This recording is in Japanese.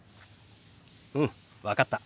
うん分かった。